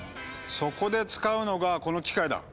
そこで使うのがこの機械だ！